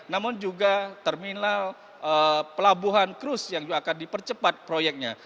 namun juga terminal pelabuhan krus yang juga akan dipercepat proyeknya